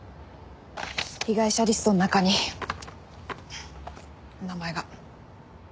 被害者リストの中にお名前が。